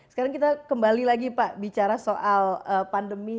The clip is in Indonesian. sekarang kita kembali lagi pak bicara soal pandemi